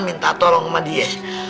minta tolong sama dia